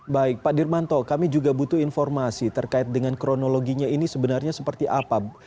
baik pak dirmanto kami juga butuh informasi terkait dengan kronologinya ini sebenarnya seperti apa